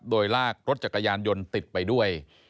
โดยลากรถจักรยานยนต์ติดไปด้วย